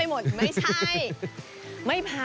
พัดไปหมดไม่ใช่